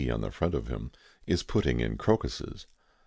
on the front of him, is putting in crocuses.